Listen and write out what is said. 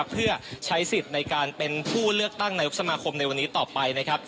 เพื่อใช้สิทธิ์ในการเป็นผู้เลือกตั้งนายกสมาคมในวันนี้ต่อไปนะครับ